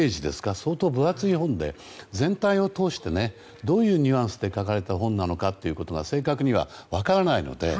相当分厚い本で全体を通してどういうニュアンスで書かれた本なのか正確には分からないので。